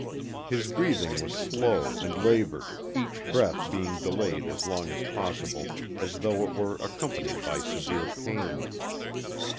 His breathing was slow and labored, each breath being delayed as long as possible as though it were accompanied by severe pain.